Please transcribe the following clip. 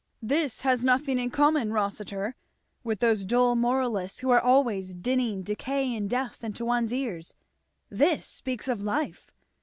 This has nothing in common, Rossitur, with those dull moralists who are always dinning decay and death into one's ears; this speaks of Life.